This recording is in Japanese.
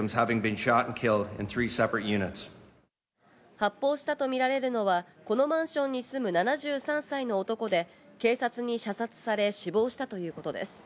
発砲したとみられるのはこのマンションに住む７３歳の男で警察に射殺され死亡したということです。